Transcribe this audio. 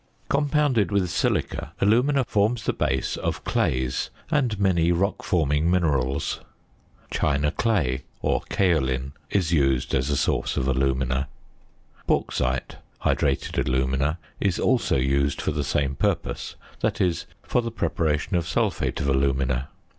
Compounded with silica, alumina forms the base of clays and many rock forming minerals. China clay (or kaolin) is used as a source of alumina. Bauxite, hydrated alumina, is also used for the same purpose that is, for the preparation of sulphate of alumina.